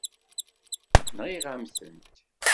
Nɣiɣ-am-tent.